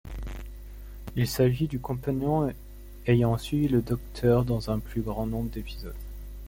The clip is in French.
Il s'agit du compagnon ayant suivi le Docteur dans un plus grand nombre d'épisodes.